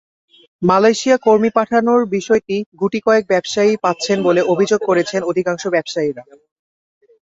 Malaysia কর্মী পাঠানোর বিষয়টি গুটিকয়েক ব্যবসায়ী পাচ্ছেন বলে অভিযোগ করেছেন অধিকাংশ ব্যবসায়ী।